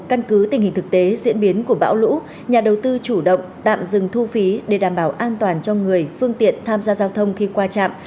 căn cứ tình hình thực tế diễn biến của bão lũ nhà đầu tư chủ động tạm dừng thu phí để đảm bảo an toàn cho người phương tiện tham gia giao thông khi qua trạm